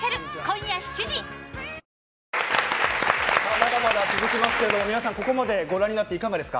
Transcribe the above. まだまだ続きますけど皆さん、ここまでご覧になっていかがですか？